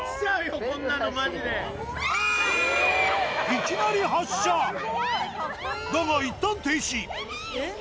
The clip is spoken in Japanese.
いきなり発車だがいったん停止ヤバい！